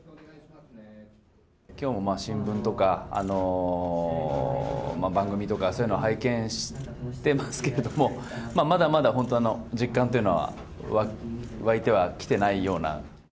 きょうも新聞とか、番組とか、そういうの拝見してますけども、まだまだ本当、実感というのは湧いてはきてないような。